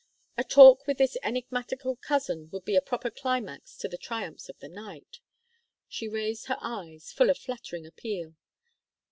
A talk with this enigmatical cousin would be a proper climax to the triumphs of the night. She raised her eyes, full of flattering appeal.